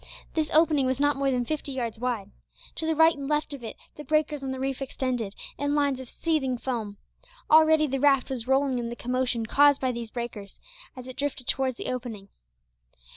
This opening was not more than fifty yards wide. To the right and left of it the breakers on the reef extended, in lines of seething foam. Already the raft was rolling in the commotion caused by these breakers, as it drifted towards the opening.